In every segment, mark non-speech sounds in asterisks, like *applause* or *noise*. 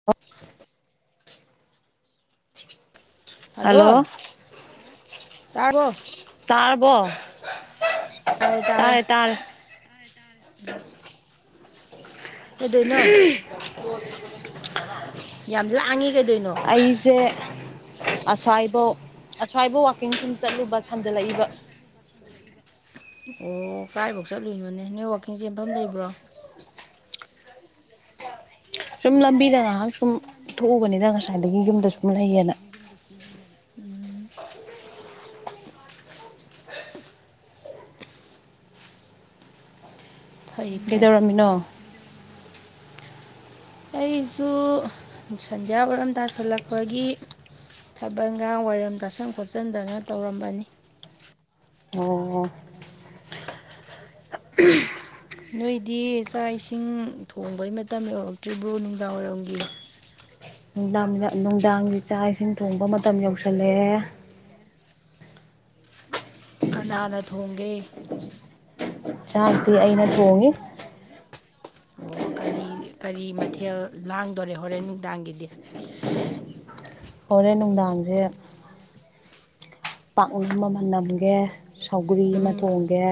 *unintelligible* hello ꯇꯥꯔꯕꯣ ꯇꯔꯕꯣ ꯇꯥꯔꯦ ꯇꯥꯔꯦ ꯇꯥꯔꯦ ꯇꯥꯔꯦ ꯀꯩꯗꯣꯏꯅꯣ ꯌꯥꯝ ꯂꯥꯡꯉꯤ *inaudible* ꯀꯩꯗꯣꯏꯅꯣ ꯑꯩꯁꯦ ꯑꯁ꯭ꯋꯥꯏꯕꯧ ꯑꯁ꯭ꯋꯥꯏꯐꯧ ꯋꯥꯋꯥꯛꯀꯤꯡ ꯁꯨꯝ ꯆꯠꯂꯨꯕ ꯁꯝꯖꯜꯂꯛꯏꯕ ꯑꯣ ꯀꯥꯏꯐꯧ ꯆꯠꯂꯨꯏꯅꯣꯅꯦ ꯅꯦꯏ ꯋꯥꯛꯀꯤꯡ ꯆꯦꯟꯐꯝ ꯂꯩꯕ꯭ꯔꯣ ꯁꯨꯝ ꯂꯝꯕꯤꯗ ꯉꯥꯏꯍꯥꯛ ꯁꯨꯝ ꯊꯣꯛꯎꯕꯅꯤꯅ ꯉꯁꯥꯏꯗꯒꯤ ꯌꯨꯝꯗ ꯁꯨꯝ ꯂꯩꯌꯦꯅ ꯐꯩ ꯐꯩ ꯀꯩꯗꯧꯔꯝꯃꯤꯅꯣ ꯑꯩꯁꯨ ꯁꯟꯙꯌꯥ ꯋꯥꯏꯔꯝ ꯇꯥꯁꯤꯜꯂꯛꯄꯒꯤ ꯊꯥꯕꯜꯒ ꯋꯥꯏꯔꯝ ꯇꯥꯁꯟ ꯈꯣꯠꯆꯟꯗꯅ ꯇꯧꯔꯝꯕꯅꯤ *unintelligible* ꯅꯣꯏꯗꯤ ꯆꯥꯛ ꯏꯁꯤꯡ ꯊꯣꯡꯕꯩ ꯃꯇꯝ ꯌꯧꯔꯛꯇ꯭ꯔꯤꯕ꯭ꯔꯣ ꯅꯨꯡꯗꯥꯡꯋꯥꯏꯔꯝꯒꯤ ꯅꯨꯡꯗꯥꯡ ꯅꯨꯡꯗꯥꯡꯁꯨ ꯆꯥꯛ ꯏꯁꯤꯡ ꯊꯣꯡꯕ ꯃꯇꯝ ꯌꯧꯁꯜꯂꯛꯑꯦ ꯀꯅꯥꯅ ꯊꯣꯡꯒꯦ ꯆꯥꯛꯇꯤ ꯑꯩꯅ ꯊꯣꯡꯉꯤ ꯑꯣ ꯀꯔꯤ ꯀꯔꯤ ꯃꯊꯦꯜ ꯂꯥꯡꯗꯣꯔꯦ ꯍꯣꯔꯦꯟ ꯅꯨꯡꯗꯥꯡꯒꯤꯗꯤ *inaudible* ꯍꯣꯔꯦꯟ ꯅꯨꯡꯗꯥꯡꯁꯦ ꯄꯥꯛꯅꯝ ꯑꯃ ꯅꯝꯒꯦ ꯁꯧꯒ꯭ꯔꯤ ꯑꯃ ꯎꯝ ꯊꯣꯡꯒꯦ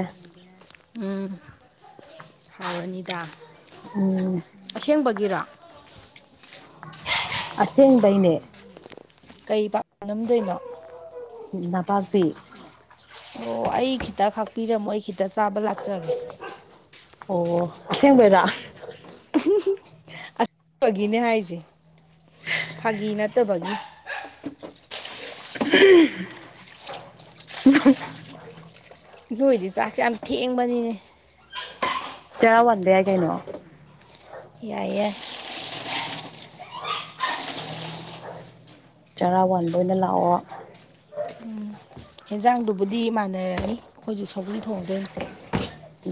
ꯎꯝ ꯍꯥꯎꯔꯅꯤꯗ ꯎꯝ ꯑꯁꯦꯡꯕꯒꯤꯔꯣ ꯑꯁꯦꯡꯕꯩꯅꯦ ꯀꯩ ꯄꯥꯛꯅꯝꯗꯣꯏꯅꯣ ꯅꯄꯥꯛꯄꯤ ꯑꯣ ꯑꯩ ꯈꯤꯇ ꯈꯥꯛꯄꯤꯔꯝꯃꯣ ꯑꯩ ꯈꯤꯇ ꯆꯥꯕ ꯂꯥꯛꯆꯒꯦ ꯑꯣ ꯑꯁꯦꯡꯕꯩꯔ *unintelligible* ꯑꯄꯒꯤꯅꯦ ꯍꯥꯏꯁꯦ ꯐꯥꯒꯤ ꯅꯠꯇꯕꯒꯤ ꯑ ꯅꯣꯏꯗꯤ ꯆꯥꯛꯁꯦ ꯌꯥꯝ ꯊꯦꯡꯕꯅꯤꯅꯦ ꯆꯔꯥ ꯋꯥꯟꯕꯌꯥꯏ ꯀꯩꯅꯣ ꯌꯥꯏꯑꯌꯦ *inaudible* ꯆꯔꯥ ꯋꯥꯟꯕ ꯑꯣꯏꯅ ꯂꯥꯛꯑꯣ ꯍꯦꯟꯖꯥꯡꯗꯨꯕꯨꯗꯤ ꯃꯥꯟꯅꯔꯅꯤ ꯑꯈꯣꯏꯁꯨ ꯁꯧꯒꯔꯤ ꯊꯣꯡꯗꯣꯏ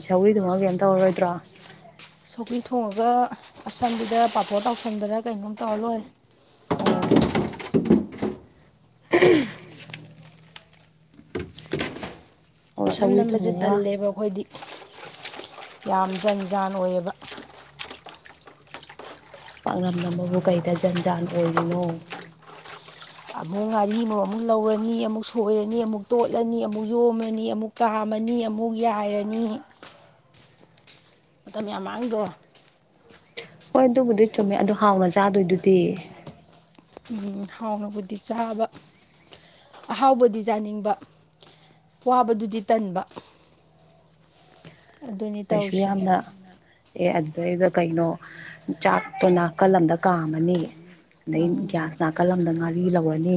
ꯁꯧꯎꯔꯤꯗꯨꯣꯡꯉ ꯀꯩꯝ ꯇꯧꯔꯣꯏꯗ꯭ꯔꯣ ꯁꯧꯀꯤ ꯊꯣꯡꯉꯒ ꯑꯁꯟꯕꯤꯗ ꯄꯥꯐꯣꯔ ꯇꯥꯎꯁꯟꯕꯔ ꯀꯩꯅꯣꯝ ꯇꯧꯔ ꯂꯣꯏꯔꯦ ꯑꯣ ꯑꯣ ꯄꯥꯛꯅꯝ ꯁꯧꯒ꯭ꯔꯤ ꯅꯝꯕꯁꯦ ꯊꯣꯡꯉꯒ ꯇꯜꯂꯦꯕ ꯑꯩꯈꯣꯏꯗꯤ ꯌꯥꯝ ꯖꯟ ꯖꯥꯟ ꯑꯣꯏꯌꯦꯕ ꯄꯥꯛꯅꯝ ꯅꯝꯕꯕꯨ ꯀꯩꯗ ꯖꯟ ꯖꯥꯟ ꯑꯣꯏꯔꯤꯅꯣ ꯑꯃꯨꯛ ꯉꯥꯔꯤꯃꯛ ꯑꯃꯨꯛ ꯂꯧꯔꯅꯤ ꯑꯃꯨꯛ ꯁꯣꯏꯔꯅꯤ ꯑꯃꯨꯛ ꯇꯣꯠꯂꯅꯤ ꯑꯃꯨꯛ ꯌꯣꯝꯃꯅꯤ ꯑꯃꯨꯛ ꯀꯥꯃꯅꯤ ꯑꯃꯨꯛ ꯌꯥꯏꯔꯅꯤ ꯃꯇꯝ ꯌꯥꯝ ꯃꯥꯡꯗꯣ ꯍꯣꯏ ꯑꯗꯨꯕꯨꯗꯤ ꯆꯨꯝꯃꯦ ꯑꯗꯨ ꯍꯥꯎꯅ ꯆꯥꯗꯣꯏꯗꯨꯗꯤ ꯎꯝ ꯍꯥꯎꯅꯕꯨꯗꯤ ꯆꯥꯕ ꯑꯍꯥꯎꯕꯗꯤ ꯆꯥꯅꯤꯡꯕ ꯋꯥꯕꯗꯨꯗꯤ ꯇꯟꯕ ꯑꯗꯨꯅꯤ ꯀꯩꯁꯨ ꯇꯧꯔꯤꯁꯦ ꯌꯥꯝꯅ ꯑꯦ ꯑꯗꯨꯗꯩꯗ ꯀꯩꯅꯣ ꯆꯥꯛꯇꯣ ꯅꯥꯀꯜ ꯑꯃꯗ ꯀꯥꯝꯃꯅꯤ ꯑꯗꯩ ꯒ꯭ꯌꯥꯁ ꯅꯥꯀꯜ ꯑꯃꯗ ꯉꯥꯔꯤ ꯂꯧꯔꯅꯤ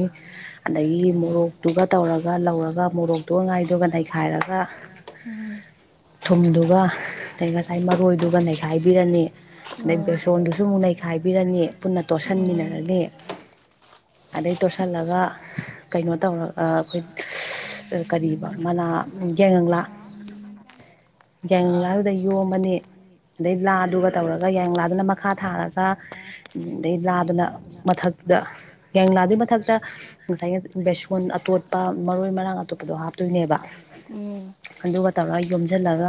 ꯑꯗꯒꯤ ꯃꯣꯔꯣꯛꯇꯨꯒ ꯇꯧꯔꯒ ꯂꯧꯔꯒ ꯃꯣꯔꯣꯛꯇꯨꯒ ꯉꯥꯏꯗꯨꯒ ꯅꯩꯈꯥꯏꯔꯒ ꯎꯝ ꯊꯨꯝꯗꯨꯒ ꯑꯗꯩ ꯉꯁꯥꯏ ꯃꯔꯣꯏꯗꯨꯒ ꯅꯩꯈꯥꯏꯕꯤꯔꯅꯤ ꯑꯗꯩ ꯎꯝ ꯕꯦꯁꯣꯟꯗꯨꯁꯨ ꯑꯃꯨꯛ ꯅꯩꯈꯥꯏꯕꯤꯔꯅꯤ ꯄꯨꯟꯅ ꯎꯝ ꯇꯣꯠꯁꯤꯟꯃꯤꯟꯅꯔꯅꯤ ꯑꯗꯩ ꯇꯣꯠꯁꯤꯜꯂꯒ ꯀꯩꯅꯣ ꯇꯧꯔꯒ ꯑꯩꯈꯣꯏ ꯀ ꯃꯅꯥ ꯌꯥꯏꯉꯪꯂꯥ ꯑꯥ ꯌꯥꯉꯡꯂꯥꯗꯨꯗ ꯌꯣꯝꯝꯕꯅꯤ ꯑꯗꯩ ꯂꯥꯗꯨꯒ ꯇꯧꯔꯒ ꯌꯥꯌꯥꯡꯂꯥꯗꯨꯅ ꯃꯈꯥ ꯊꯥꯔꯒ ꯑꯗꯩ ꯂꯥꯗꯨꯅ ꯃꯊꯛꯇꯗ ꯌꯥꯡꯂꯥꯗꯨꯏ ꯃꯊꯛꯇ ꯉꯁꯥꯏꯒꯤ ꯕꯦꯁꯣꯟ ꯑꯇꯣꯠꯄ ꯃꯔꯣꯏ ꯃꯔꯥꯡ ꯑꯇꯣꯞꯄꯗꯣ ꯍꯥꯞꯇꯣꯏꯅꯦꯕ ꯎꯝ ꯑꯗꯨꯒ ꯇꯧꯔꯒ ꯌꯣꯝꯁꯤꯜꯂꯒ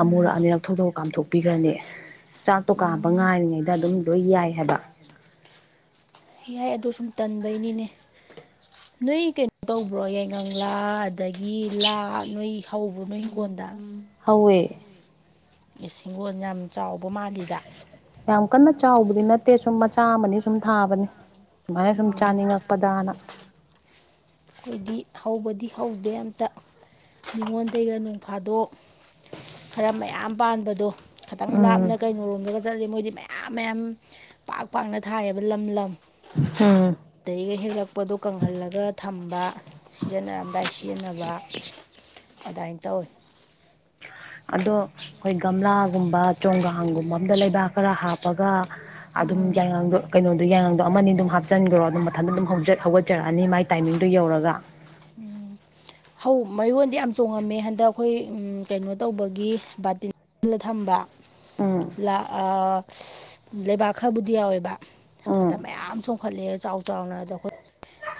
ꯎꯝ ꯑꯃꯨꯔꯛꯑꯅꯤ ꯊꯧꯊꯧ ꯀꯥꯝꯊꯣꯛꯄꯤꯈ꯭ꯔꯅꯦ ꯆꯥꯛꯇꯣ ꯀꯥꯝꯕ ꯉꯥꯏꯔꯤꯉꯩꯗ ꯑꯗꯨꯝ ꯂꯣꯏ ꯌꯥꯏ ꯍꯥꯏꯕ ꯏꯍꯏ ꯑꯗꯨꯗꯣ ꯁꯨꯝ ꯇꯟꯕꯩꯅꯤꯅꯦ ꯅꯣꯏ ꯀꯩꯅꯣ ꯇꯧꯕ꯭ꯔꯣ ꯌꯥꯏꯉꯥ ꯑꯗꯒꯤ ꯂꯥ ꯅꯣꯏ ꯍꯧꯕ꯭ꯔ ꯅꯣꯏ ꯍꯤꯡꯒꯣꯜꯗ ꯍꯧꯋꯦ ꯏꯁ ꯍꯤꯡꯒꯣꯜ ꯌꯥꯝ ꯆꯥꯎꯕ ꯃꯥꯜꯂꯤꯗ ꯌꯥꯝ ꯀꯟꯅ ꯆꯥꯎꯕꯗꯤ ꯅꯠꯇꯦ ꯁꯨꯝ ꯃꯆꯥ ꯑꯃꯅꯤ ꯁꯨꯝ ꯊꯥꯕꯅꯤ ꯑꯗꯨꯃꯥꯏꯅ ꯁꯨꯝ ꯎꯝ ꯆꯥꯅꯤꯡꯉꯛꯄꯗꯅ ꯑꯩꯈꯣꯏꯗꯤ ꯍꯧꯕꯗꯤ ꯍꯧꯗꯦ ꯑꯝꯇ ꯃꯤꯉꯣꯟꯗꯒꯤꯩꯒ ꯅꯣꯡꯐꯥꯗꯣꯛ ꯈꯔ ꯃꯌꯥꯝ ꯄꯥꯟꯕꯗꯣ ꯈꯤꯇꯪ ꯂꯥꯞꯅ ꯎꯝ ꯀꯩꯅꯣꯔꯣꯝꯗꯒ ꯆꯠꯂꯗꯤ ꯃꯣꯏꯗꯤ ꯃꯌꯥꯝ ꯑ ꯃꯌꯥꯝ ꯄꯥꯛ ꯄꯥꯛꯅ ꯊꯥꯏꯑꯕ ꯂꯝ ꯂꯝ ꯍꯥꯝ ꯑꯗꯒꯤꯒ ꯍꯦꯛꯂꯛꯄꯗꯣ ꯀꯪꯍꯜꯂꯒ ꯊꯝ ꯁꯤꯖꯤꯟꯅꯔꯝꯗꯥꯏ ꯁꯤꯖꯤꯟꯅꯕ ꯑꯗꯨꯃꯥꯏꯅ ꯇꯧꯋꯤ ꯑꯗꯣ ꯑꯩꯈꯣꯏ ꯒꯝꯂꯥꯒꯨꯝꯕ ꯆꯣꯡꯒꯥꯡꯒꯨꯝꯕ ꯑꯝꯗ ꯂꯩꯕꯥꯛ ꯈꯔ ꯍꯥꯞꯄꯒ ꯑꯗꯨꯝ ꯌꯥꯏꯉꯥꯡꯗꯣ ꯀꯩꯅꯣꯗꯨꯣ ꯌꯥꯏꯉꯥꯡꯗꯣ ꯑꯃꯅꯤ ꯑꯗꯨꯝ ꯍꯥꯞꯆꯤꯟꯈ꯭ꯔꯣ ꯑꯗꯨꯝ ꯃꯊꯟꯇ ꯑꯗꯨꯝ ꯍꯧ ꯍꯧꯒꯠꯆꯔꯛꯑꯅꯤ ꯃꯥꯏ ꯇꯥꯏꯃꯤꯡꯗꯨꯣ ꯌꯧꯔꯒ ꯍꯧ ꯃꯌꯣꯟꯗꯤ ꯌꯥꯝ ꯆꯣꯡꯉꯝꯃꯦ ꯍꯟꯗꯛ ꯑꯩꯈꯣꯏ ꯀꯩꯅꯣ ꯇꯧꯕꯒꯤ ꯕꯥꯇꯤꯟ ꯂ ꯊꯝꯕ ꯎꯝ ꯑ ꯂꯩꯕꯥꯛ ꯈꯔꯕꯨꯗꯤ ꯌꯥꯎꯋꯦꯕ ꯎꯝ ꯑꯗ ꯃꯌꯥꯝ ꯆꯣꯛꯈꯠꯂꯑꯦ ꯆꯥꯎ ꯆꯥꯎꯅ ꯑꯗ ꯑꯩ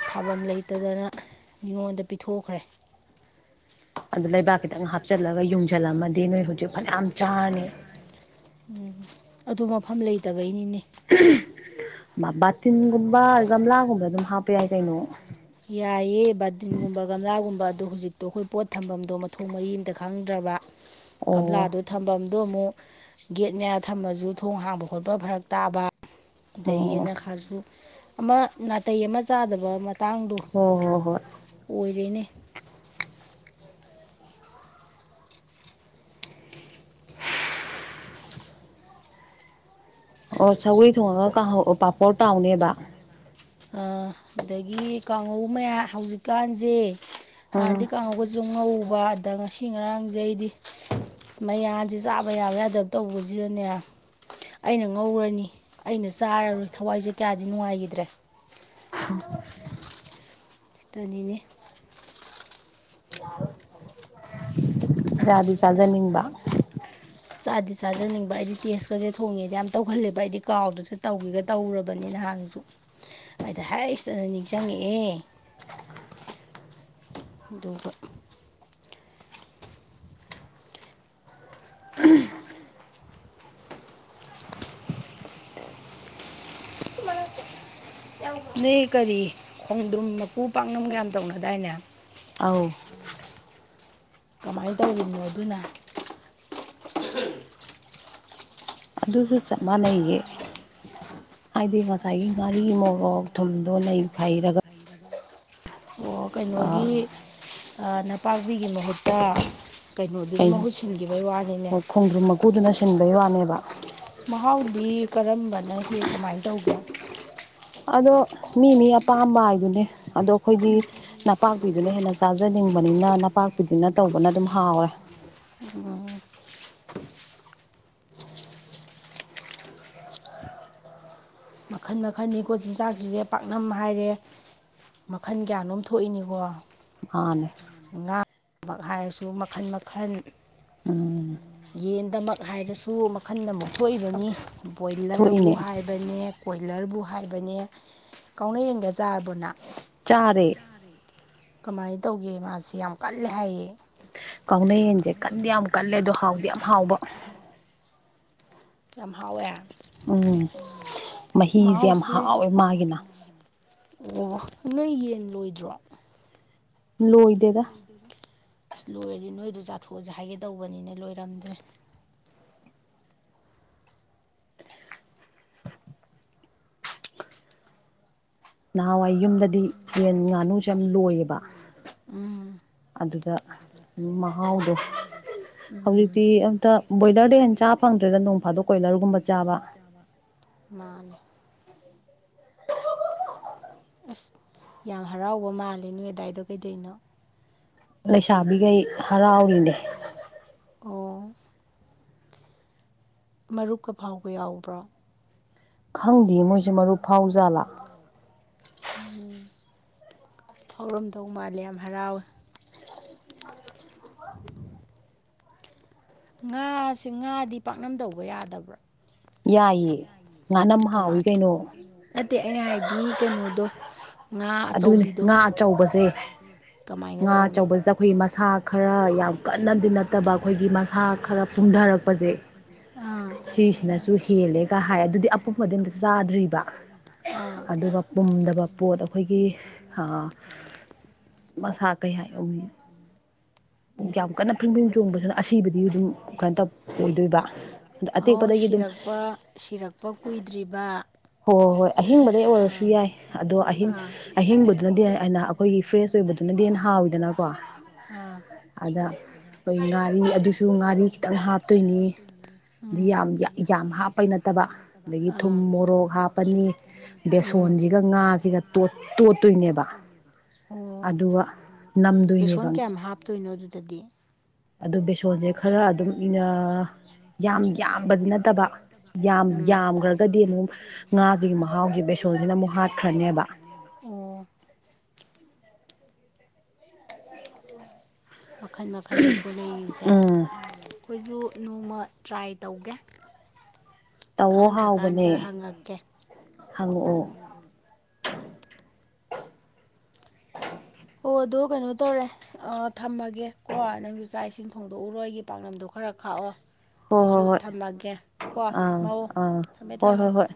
ꯊꯥꯐꯝ ꯂꯩꯇꯗꯅ ꯃꯤꯉꯣꯟꯗ ꯄꯤꯊꯣꯛꯈ꯭ꯔꯦ ꯑꯗꯨ ꯂꯩꯕꯥꯛ ꯈꯤꯇꯪ ꯍꯥꯞꯆꯤꯜꯂꯒ ꯌꯨꯡꯁꯤꯜꯂꯝꯃꯗꯤ ꯅꯣꯏ ꯍꯧꯖꯤꯛ ꯐꯅꯌꯥꯝ ꯆꯥꯔꯅꯤ ꯎꯝ ꯑꯗꯨ ꯃꯐꯝ ꯂꯩꯇꯕꯩꯅꯤꯅꯦ ꯕꯥꯇꯤꯟꯒꯨꯝꯕ ꯒꯝꯂꯥꯒꯨꯝꯕ ꯑꯗꯨꯝ ꯍꯥꯞꯄ ꯌꯥꯏ ꯀꯩꯅꯣ ꯌꯥꯏꯌꯦ ꯕꯗꯤꯟꯒꯨꯝꯕ ꯒꯝꯂꯥꯒꯨꯝꯕ ꯑꯗꯣ ꯍꯧꯖꯤꯛꯇꯣ ꯑꯩꯈꯣꯏ ꯄꯣꯠ ꯊꯝꯐꯝꯗꯣ ꯃꯊꯣꯡ ꯃꯔꯤ ꯑꯃꯝꯇ ꯈꯪꯗ꯭ꯔꯕ ꯑꯣ ꯀꯃꯂꯥꯗꯣ ꯊꯝꯐꯝꯗꯨꯣ ꯑꯃꯨꯛ ꯒꯦꯠ ꯃꯌꯥ ꯊꯝꯃꯁꯨ ꯊꯣꯡ ꯍꯥꯡꯕ ꯈꯣꯠꯄ ꯐꯔꯛ ꯇꯥꯕ ꯑꯣ ꯑꯗꯒꯤꯅ ꯈꯥꯔꯁꯨ ꯑꯃ ꯅꯥꯇꯩ ꯑꯃ ꯆꯥꯗꯕ ꯇꯥꯡꯗꯣ ꯍꯣꯏ ꯍꯣꯏ ꯍꯣꯏ ꯑꯣꯏꯔꯦꯅꯦ ꯑꯣ ꯁꯒꯔꯤ ꯊꯣꯡꯉꯒ ꯄꯥꯄꯣꯔ ꯇꯥꯎꯅꯦꯕ ꯑꯗꯒꯤ ꯀꯥꯡꯉꯧ ꯃꯌꯥꯝ ꯍꯧꯖꯤꯛꯀꯥꯟꯁꯦ ꯍꯥꯟꯅꯗꯤ ꯎꯝ ꯀꯥꯡꯉꯒꯁꯨ ꯉꯧꯕ ꯑꯗ ꯉꯁꯤ ꯉꯔꯥꯡꯁꯩ ꯑꯩꯗꯤ ꯁ ꯃ ꯌꯥꯥꯟꯁꯤ ꯆꯥꯕ ꯌꯥꯕ ꯌꯥꯗꯕ ꯇꯧꯕꯁꯤꯗꯅꯦ ꯑꯩꯅ ꯉꯧꯔꯅꯤ ꯑꯩꯅ ꯆꯥꯔꯔꯣꯏ ꯊꯋꯥꯏꯁꯦ ꯀꯌꯥꯗꯤ ꯅꯨꯡꯉꯥꯏꯈꯤꯗ꯭ꯔꯦ *inaudible* ꯁꯤꯇꯅꯤꯅꯦ ꯏꯁꯥꯗꯤ ꯆꯥꯖꯅꯤꯡꯕ ꯆꯥꯗꯤ ꯆꯥꯖꯅꯤꯡꯕ ꯑꯩꯗꯤ ꯇꯦꯁꯀꯁꯦ ꯊꯣꯡꯉꯦꯗꯤ ꯌꯥꯝ ꯇꯧꯈꯜꯂꯦꯕ ꯑꯩꯗꯤ ꯀꯥꯎꯗꯨꯁꯨ ꯇꯧꯈꯤꯒ ꯇꯧꯔꯨꯔꯕꯅꯤ ꯅꯍꯥꯟꯁꯨ ꯑꯩꯗ ꯍꯥꯏꯔꯛꯏꯁꯤꯅ ꯅꯤꯡꯁꯤꯡꯉꯛꯑꯦ ꯑꯗꯨꯒ ꯑꯗꯨꯒꯒ ꯅꯣꯏ ꯀꯔꯤ ꯈꯣꯡꯗ꯭ꯔꯨꯝ ꯃꯀꯨ ꯄꯥꯛꯅꯝ ꯀꯌꯥꯝ ꯇꯧꯅꯗꯥꯏꯅꯦ ꯑꯥꯎ ꯀꯃꯥꯏꯅ ꯇꯧꯔꯤꯅꯣ ꯑꯗꯨꯅ ꯑꯗꯨꯁꯨ ꯆꯞ ꯃꯥꯟꯅꯩꯌꯦ ꯍꯥꯏꯗꯤ ꯉꯁꯥꯏꯒꯤ ꯉꯥꯔꯤ ꯃꯣꯔꯣꯛ ꯊꯨꯝꯗꯣꯅꯩ ꯐꯩꯔꯒ ꯍꯥꯏ ꯑꯣ ꯀꯩꯅꯣꯒꯤ ꯅꯄꯥꯛꯄꯤꯒꯤ ꯃꯍꯨꯠꯇ ꯀꯩꯅꯣꯗꯨꯅ ꯃꯍꯨꯠ ꯁꯤꯟꯈꯤꯕꯒꯤ ꯋꯥꯅꯤꯅꯦ ꯀꯨꯗꯨꯅ ꯁꯤꯟꯕꯩ ꯋꯥꯅꯦꯕ ꯃꯍꯥꯎꯗꯤ ꯀꯔꯝꯕꯅꯍꯦ ꯀꯃꯥꯏꯅ ꯇꯧꯒꯦ ꯑꯗꯣ ꯃꯤ ꯃꯤ ꯑꯄꯥꯝꯕ ꯍꯥꯏꯗꯨꯅꯦ ꯑꯗꯣ ꯑꯩꯈꯣꯏꯗꯤ ꯅꯄꯥꯛꯄꯤꯗꯨꯅ ꯍꯦꯟꯅ ꯆꯥꯖꯅꯤꯡꯕꯅꯤꯅ ꯅꯄꯥꯛꯄꯤꯗꯨꯅ ꯇꯧꯕꯅ ꯑꯗꯨꯝ ꯍꯥꯎꯔꯦ ꯃꯈꯜ ꯃꯈꯜꯅꯤꯀꯣ ꯆꯤꯟꯖꯥꯛꯁꯤꯁꯦ ꯄꯥꯛꯅꯝ ꯍꯥꯏꯔꯦ ꯃꯈꯟ ꯀꯌꯥꯅꯣꯝ ꯊꯣꯛꯏꯅꯤꯀꯣ ꯃꯅꯦ ꯉꯥ ꯃꯛ ꯍꯥꯏꯔꯁꯨ ꯃꯈꯜ ꯃꯈꯜ ꯎꯝ ꯌꯦꯟꯗꯃꯛ ꯍꯥꯏꯔꯁꯨ ꯃꯈꯜꯅ ꯑꯃꯨꯛꯊꯣꯛꯏꯕꯅꯤ ꯕꯣꯏꯂꯔꯕꯨ ꯊꯣꯛꯏꯅꯦ ꯍꯥꯏꯕꯅꯦ ꯀꯣꯏꯂꯔꯕꯨ ꯍꯥꯏꯕꯅꯦ ꯀꯥꯎꯅꯦꯟꯒ ꯆꯥꯔꯕꯣ ꯅꯪ ꯆꯥꯔꯦ ꯀꯃꯥꯏꯅ ꯇꯧꯒꯦ ꯃꯥꯁꯦ ꯌꯥꯝ ꯀꯜꯂꯦ ꯍꯥꯏꯌꯦ ꯀꯥꯎꯅꯩꯌꯦꯟꯁꯦ ꯀꯟꯗꯤ ꯌꯥꯝ ꯀꯜꯂꯦ ꯑꯗꯣ ꯍꯥꯎꯗꯤ ꯌꯥꯝ ꯍꯥꯎꯕ ꯌꯥꯝ ꯍꯥꯎꯋꯦ ꯎꯝ ꯃꯍꯤꯁꯦ ꯌꯥꯝ ꯃꯍꯥꯎꯁꯦ ꯍꯥꯎꯋꯦ ꯃꯥꯒꯤꯅ ꯑꯣ ꯅꯣꯏ ꯌꯦꯟ ꯂꯣꯏꯗ꯭ꯔꯣ ꯂꯣꯏꯗꯦꯗ ꯑꯁ ꯂꯣꯏꯔꯗꯤ ꯅꯣꯏꯗꯣ ꯆꯥꯊꯣꯛꯑꯁꯦ ꯍꯥꯏꯒꯦ ꯇꯧꯕꯅꯤꯅꯦ ꯂꯣꯏꯔꯝꯗ꯭ꯔꯦ ꯅꯍꯥꯟꯋꯥꯏ ꯌꯨꯝꯗꯗꯤ ꯌꯦꯟ ꯉꯥꯅꯨꯁꯦ ꯌꯥꯝ ꯂꯣꯏꯌꯦꯕ ꯎꯝ ꯑꯗꯨꯗ ꯃꯍꯥꯎꯗꯣ ꯎꯝ ꯍꯧꯖꯤꯛꯇꯤ ꯑꯝꯇ ꯕꯣꯏꯂꯔꯗ ꯍꯦ ꯆꯥꯕ ꯐꯪꯗ꯭ꯔꯦꯗ ꯅꯣꯡ ꯐꯥꯗꯣꯛ ꯀꯣꯏꯂꯔꯒꯨꯝꯕ ꯆꯥꯕ ꯃꯥꯅꯦ ꯑꯁ ꯌꯥꯝ ꯍꯔꯥꯎꯕ ꯃꯥꯜꯂꯦ ꯅꯣꯏ ꯑꯗꯥꯏꯗꯣ ꯀꯩꯗꯩꯅꯣ ꯂꯩꯁꯥꯕꯤꯈꯩ ꯍꯔꯥꯎꯔꯤꯅꯦ ꯑꯣ ꯃꯔꯨꯛꯀ ꯐꯥꯎꯕ ꯌꯥꯎꯕ꯭ꯔꯥ ꯈꯪꯗꯦ ꯃꯣꯏꯁꯦ ꯃꯔꯨ ꯐꯥꯎ ꯖꯥꯠꯂꯥ ꯎ ꯐꯥꯎꯔꯝꯗꯧ ꯃꯥꯜꯂꯦ ꯌꯥꯝ ꯍꯔꯥꯎꯋꯦ ꯉꯥꯁꯦ ꯉꯥꯗꯤ ꯄꯥꯛꯅꯝꯇꯩꯕ ꯌꯥꯗꯕ꯭ꯔꯣ ꯌꯥꯏꯌꯦ ꯉꯥꯅꯝ ꯍꯥꯎꯏ ꯀꯃꯥꯏ ꯀꯩꯅꯣ ꯅꯠꯇꯦ ꯑꯩꯅ ꯍꯥꯏꯗꯤ ꯀꯩꯅꯣꯗꯣ ꯉꯥ ꯑꯗꯨꯅꯦ ꯑꯆꯧꯕꯤꯗꯣ ꯉꯥ ꯑꯆꯧꯕꯁꯦ ꯉꯥ ꯇꯧꯏ ꯑꯆꯧꯕꯁꯤꯗ ꯑꯩꯈꯣꯏꯒꯤ ꯃꯁꯥ ꯈꯔ ꯌꯥꯝ ꯀꯟꯅꯗꯤ ꯅꯠꯇꯕ ꯑꯩꯈꯣꯏꯒꯤ ꯃꯁꯥ ꯈꯔ ꯄꯨꯝꯊꯔꯛꯄ ꯐꯖꯩ ꯑꯥ ꯅꯁꯨ ꯍꯦꯜꯂꯦꯒ ꯍꯥꯏ ꯑꯗꯨꯗꯤ ꯑꯄꯣꯛꯄꯗꯤ ꯑꯝꯇ ꯆꯥꯗ꯭ꯔꯤꯕ ꯑꯥ ꯑꯗꯨꯒ ꯄꯨꯝꯗꯕ ꯄꯣꯠ ꯑꯩꯈꯣꯏꯒꯤ ꯑꯥ ꯃꯁꯥ ꯀꯩ ꯍꯥꯏ *inaudible* ꯀꯟꯅ ꯐꯤꯡ ꯐꯤꯡ ꯆꯣꯡꯕꯁꯤꯅ ꯑꯁꯤꯕꯨꯗꯤ ꯑꯗꯨꯝ ꯀꯥꯏꯣ ꯇꯧ ꯑꯣꯏꯗꯣꯏꯕ ꯑꯗꯣ ꯑꯣ ꯑꯇꯦꯛꯄꯗꯒꯤ ꯑꯗꯨꯝ ꯁꯤꯔꯛꯄ ꯁꯤꯔꯛꯄ ꯀꯨꯏꯗ꯭ꯔꯤꯕ ꯍꯣ ꯍꯣꯏ ꯑꯍꯤꯡꯕꯗꯩ ꯑꯥ ꯑꯣꯏꯔꯁꯨ ꯌꯥꯏ ꯑꯗꯣ ꯑꯍꯤꯡ ꯑꯥ ꯑꯥ ꯑꯍꯤꯡꯕꯗꯨꯅꯗꯤ ꯑꯅ ꯑꯩꯈꯣꯏꯒꯤ ꯐ꯭ꯔꯦꯁ ꯑꯣꯏꯕꯗꯨꯅꯗꯤ ꯍꯦꯟꯅ ꯍꯥꯎꯋꯤꯗꯅ ꯋꯥ ꯑꯥ ꯑꯗ ꯑꯩꯈꯣꯏ ꯉꯥꯔꯤ ꯑꯗꯨꯁꯨ ꯉꯥꯔꯤ ꯈꯤꯇꯪ ꯍꯥꯞꯇꯣꯏꯅꯤ ꯎꯝ ꯌꯥꯝ ꯌꯥꯝ ꯍꯥꯞꯄꯩ ꯅꯠꯇꯦ ꯑꯥ ꯐꯠꯇꯕ ꯑꯗꯒꯤ ꯊꯨꯝ ꯃꯣꯔꯣꯛ ꯍꯥꯞ ꯄꯅꯤ ꯎꯝ ꯕꯦꯁꯣꯟꯁꯤꯒ ꯉꯥꯁꯤꯒ ꯇꯣꯠꯇꯣꯏꯅꯦꯕ ꯑꯣ ꯑꯗꯨꯒ ꯅꯝꯗꯣꯏꯅꯦꯕ ꯕꯦꯁꯣꯟ ꯀꯌꯥꯝ ꯍꯥꯞꯇꯣꯏꯅꯣ ꯑꯗꯨꯗꯗꯤ ꯑꯗꯨ ꯕꯦꯁꯣꯟꯁꯦ ꯈꯔ ꯑꯗꯨꯝ ꯌꯥꯝ ꯌꯥꯝꯕꯗꯤ ꯅꯠꯇꯕ ꯌꯥꯝ ꯎꯝ ꯌꯥꯝꯈ꯭ꯔꯒꯗꯤ ꯑꯃꯨꯛ ꯉꯥꯁꯤꯒꯤ ꯃꯍꯥꯎꯁꯤꯦ ꯕꯦꯁꯣꯟꯁꯤꯅ ꯑꯃꯨꯛ ꯍꯥꯠꯈ꯭ꯔꯅꯦꯕ ꯑꯣ ꯃꯈꯜ ꯃꯈꯟꯅꯤꯀꯣ ꯂꯩꯔꯤꯁꯦ ꯎꯝ ꯑꯩꯈꯣꯏꯁꯨ ꯅꯣꯡꯃ ꯇ꯭ꯔꯥꯏ ꯇꯧꯒꯦ ꯇꯧꯋꯣ ꯍꯥꯎꯕꯅꯦ ꯈꯪꯗ꯭ꯔꯀꯥꯟꯗ ꯍꯪꯉꯛꯀꯦ ꯍꯪꯉꯛꯑꯣ *inaudible* ꯑꯣ ꯑꯗꯣ ꯀꯩꯅꯣ ꯇꯧꯔꯦ ꯑꯥ ꯊꯝꯃꯒꯦ ꯀꯣ ꯅꯪꯁꯨ ꯆꯥꯛ ꯏꯁꯤꯡ ꯊꯣꯡꯗꯣꯛꯎꯔꯣ ꯑꯩꯒꯤ ꯄꯥꯛꯅꯝꯗꯣ ꯈꯔ ꯈꯥꯛꯑꯣ ꯍꯣꯏ ꯑꯩꯁꯨ ꯍꯣꯏ ꯍꯣꯏ ꯊꯝꯃꯒꯦ ꯀꯣ ꯑꯥ ꯃꯡ ꯑꯥ ꯊꯝꯃꯦ ꯍꯣꯏ ꯊꯝꯃꯦ ꯍꯣꯏ ꯍꯣꯏ